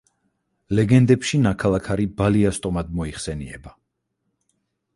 ლეგენდებში ნაქალაქარი „ბალიასტომად“ მოიხსენიება.